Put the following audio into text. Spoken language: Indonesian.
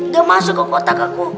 udah masuk ke kotak aku